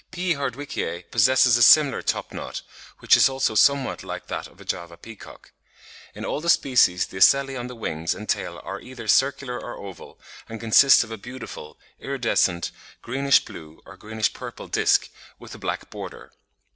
P. hardwickii possesses a peculiar top knot, which is also somewhat like that of the Java peacock. In all the species the ocelli on the wings and tail are either circular or oval, and consist of a beautiful, iridescent, greenish blue or greenish purple disc, with a black border.